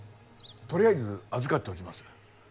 とりあえず預かっておきます。